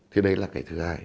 thì đấy là cái thứ hai